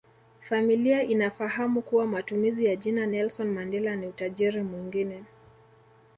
Familia inafahamu kuwa matumizi ya jina Nelson Mandela ni utajiri mwingine